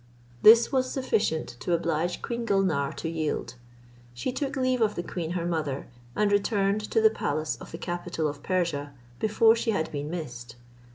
This was sufficient to oblige Queen Gulnare to yield. She took leave of the queen her mother, and returned to the palace of the capital of Persia before she had been missed.